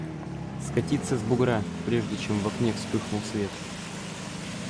скатиться с бугра, прежде чем в окне вспыхнул свет.